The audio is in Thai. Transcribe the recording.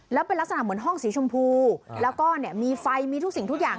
แล้วเป็นลักษณะเหมือนห้องสีชมพูแล้วก็เนี่ยมีไฟมีทุกสิ่งทุกอย่าง